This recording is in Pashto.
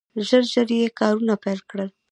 ژر ژر یې کارونه پیل کړل.